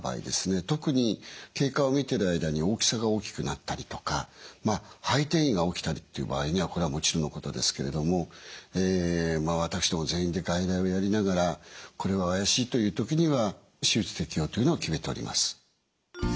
特に経過を見てる間に大きさが大きくなったりとかまあ肺転移が起きたりっていう場合にはこれはもちろんのことですけれども私ども全員で外来をやりながらこれは怪しいという時には手術適応というのを決めております。